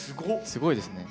すごいですね。